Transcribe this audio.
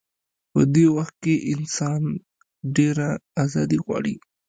په دې وخت کې انسان ډېره ازادي غواړي.